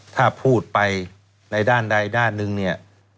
ถ้าพูดไปในด้านใดด้านหนึ่งเนี่ย